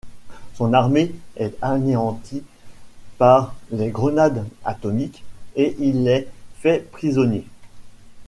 Son armée est anéantie par les grenades atomiques, et il est fait prisonnier.